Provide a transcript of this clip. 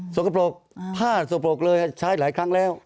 สกปรกผ้าสกปรกเลยใช้หลายครั้งแล้ว